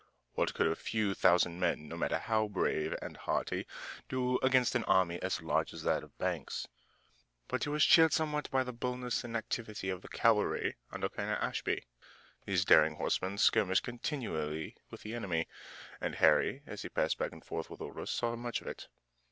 What could a few thousand men, no matter how brave and hardy, do against an army as large as that of Banks? But he was cheered somewhat by the boldness and activity of the cavalry under Ashby. These daring horsemen skirmished continually with the enemy, and Harry, as he passed back and forth with orders, saw much of it.